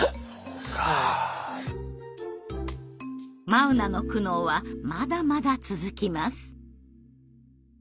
眞生の苦悩はまだまだ続きます。